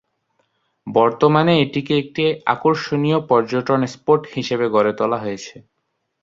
বর্তমানে এটিকে একটি আকর্ষণীয় পর্যটন স্পট হিসেবে গড়ে তোলা হয়েছে।